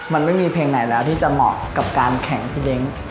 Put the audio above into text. มันไม่มีเพลงไหนแล้วที่จะเหมาะกับการแข่งพี่เบ้ง